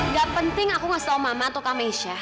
gak penting aku gak setau mama atau kameisha